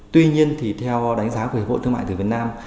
tuy nhiên thì theo đánh giá của hội thương mại từ việt nam